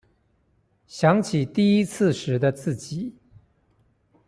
想起第一次時的自己